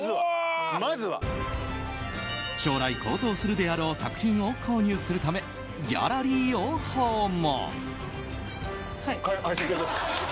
将来、高騰するであろう作品を購入するため、ギャラリーを訪問。